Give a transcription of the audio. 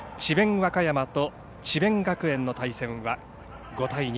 和歌山と智弁学園の対戦は５対２。